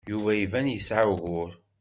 Yuba iban yesɛa ugur.